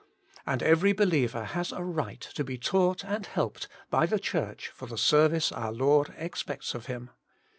And every believer has a right to l)e taught and helped by the Church for the service our Lord expects of him.